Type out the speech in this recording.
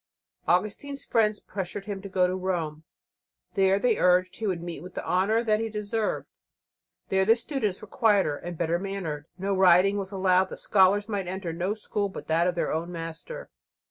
Augustine's friends pressed him to go to Rome. There, they urged, he would meet with the honour that he deserved. There the students were quieter and better mannered; no rioting was allowed; scholars might enter no school but that of their own master.